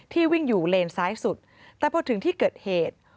วิ่งอยู่เลนซ้ายสุดแต่พอถึงที่เกิดเหตุ